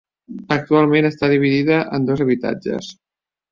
Actualment està dividida en dos habitatges.